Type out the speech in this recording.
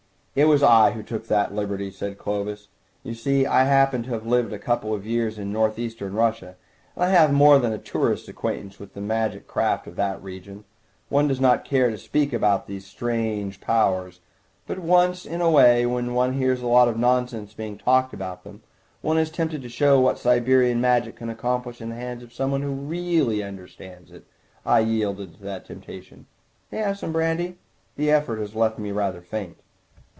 "It was I who took that liberty," said Clovis; "you see, I happen to have lived for a couple of years in North Eastern Russia, and I have more than a tourist's acquaintance with the magic craft of that region. One does not care to speak about these strange powers, but once in a way, when one hears a lot of nonsense being talked about them, one is tempted to show what Siberian magic can accomplish in the hands of someone who really understands it. I yielded to that temptation. May I have some brandy? the effort has left me rather faint."